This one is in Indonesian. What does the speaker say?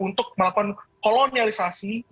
untuk melakukan kolonialisasi